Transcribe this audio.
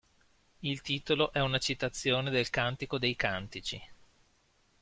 Il titolo è una citazione del "Cantico dei cantici".